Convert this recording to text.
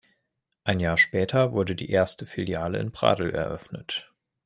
Ein Jahr später wurde die erste Filiale in Pradl eröffnet.